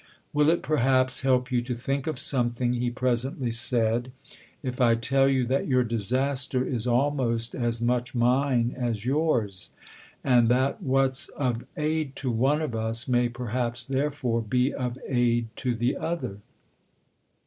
THE OTHER HOUSE 293 " Will it perhaps help you to think of something," he presently said, " if I tell you that your disaster is almost as much mine as yours, and that what's of aid to one of us may perhaps therefore be of aid to the other?"